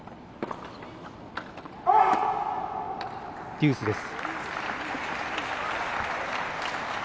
デュースです。